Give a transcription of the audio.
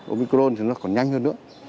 omicron thì nó còn nhanh hơn nữa